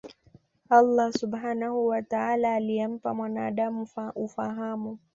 Allaah Subhaanahu wa Taala Aliyempa mwanaadamu ufahamu